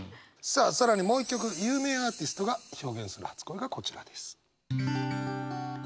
さあ更にもう一曲有名アーティストが表現する初恋がこちらです。